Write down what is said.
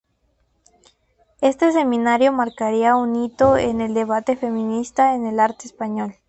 Este seminario marcaría un hito en el debate feminista en el arte español.